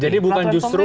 jadi bukan justru